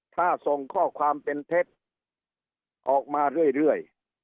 ถ้าส่งข้อความเป็นเท็จออกมาเรื่อย